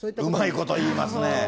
うまいこと言いますね。